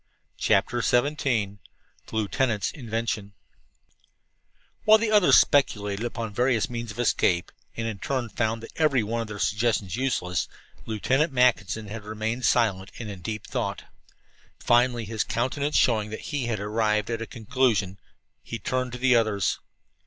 CHAPTER XVII THE LIEUTENANT'S INVENTION While the others speculated upon various means of escape, and in turn found every one of their suggestions useless, Lieutenant Mackinson had remained silent and in deep thought. Finally, his countenance showing that he had arrived at a conclusion, he turned to the others.